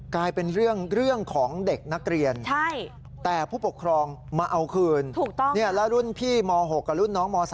กลายเป็นเรื่องของเด็กนักเรียนแต่ผู้ปกครองมาเอาคืนถูกต้องแล้วรุ่นพี่ม๖กับรุ่นน้องม๓